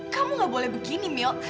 kamu gak boleh begini mil